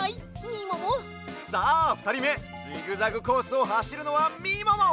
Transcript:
さあふたりめジグザグコースをはしるのはみもも！